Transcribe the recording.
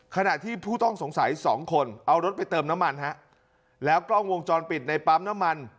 ขณะที่ผู้ต้องสงสัยสองคนเอารถไปเติมน้ำมันฮะแล้วกล้องวงจรปิดในปั๊มน้ำมัน